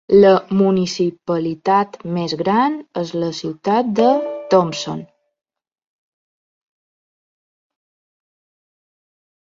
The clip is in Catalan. La municipalitat més gran és la ciutat de Thompson.